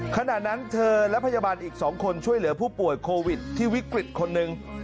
ขณะนั้นเธอและพยาบาลอีก๒คนช่วยเหลือผู้ป่วยโควิดที่วิกฤตคนหนึ่ง